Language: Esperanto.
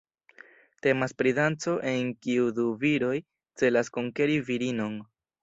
Temas pri danco en kiu du viroj celas konkeri virinon.